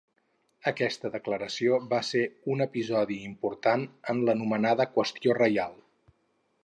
Aquesta declaració va ser un episodi important en l'anomenada qüestió reial.